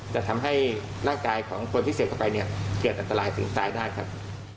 จะทำให้ร่างกายของคนที่เสพเข้าไปเนี่ยเกิดอันตรายถึงตายได้ครับ